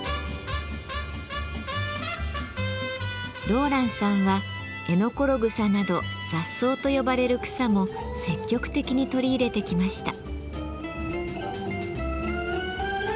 ローランさんはエノコログサなど雑草と呼ばれる草も積極的に取り入れてきました。